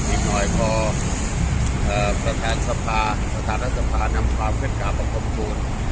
อีกน้อยก็ประธานสภาประธานรัฐสภานำความเคล็ดกราบของควบคุณ